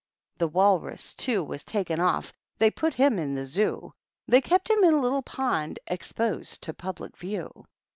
The Walrus, too, was taken off; Tliey put him in the Zoo; They kept Mm in a little pond Erposed to public view.